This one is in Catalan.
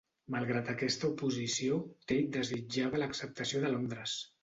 Malgrat aquesta oposició, Tait desitjava l'acceptació de Londres.